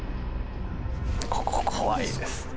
ここ怖いんです。